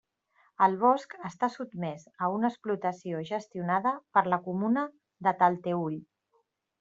El bosc està sotmès a una explotació gestionada per la comuna de Talteüll.